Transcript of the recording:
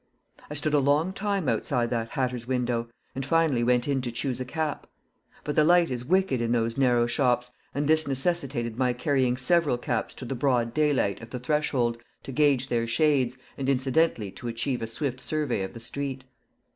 I stood a long time outside that hatter's window, and finally went in to choose a cap. But the light is wicked in those narrow shops, and this necessitated my carrying several caps to the broad daylight of the threshold to gauge their shades, and incidentally to achieve a swift survey of the street.